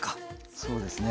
そうですね。